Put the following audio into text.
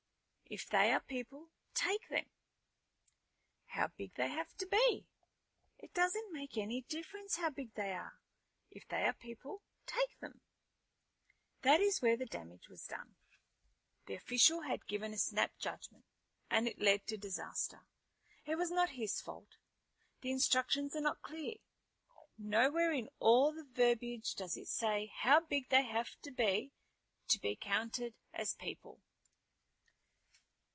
"If they are people, take them." "How big they have to be?" "It doesn't make any difference how big they are. If they are people, take them." That is where the damage was done. The official had given a snap judgement, and it led to disaster. It was not his fault. The instructions are not clear. Nowhere in all the verbiage does it say how big they have to be to be counted as people.